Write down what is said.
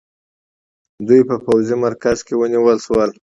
دوی په پوځي مرکز کې ونیول شول.